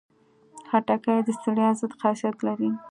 خټکی د ستړیا ضد خاصیت لري.